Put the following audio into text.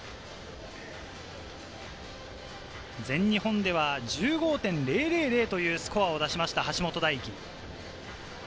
全日本では１５．０００というスコアを出しました橋本大輝。